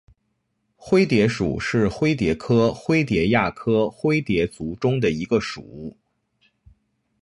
灰蝶属是灰蝶科灰蝶亚科灰蝶族中的一个属。